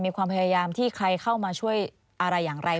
มีความพยายามที่ใครเข้ามาช่วยอะไรอย่างไร